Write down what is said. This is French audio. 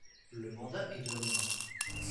Le mandat est de un an.